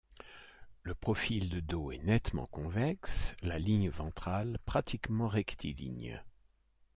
Le profil de dos est nettement convexe, la ligne ventrale pratiquement rectiligne.